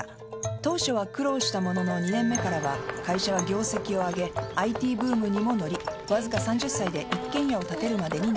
当初は苦労したものの２年目からは会社は業績を上げＩＴブームにも乗りわずか３０歳で一軒家を建てるまでになった。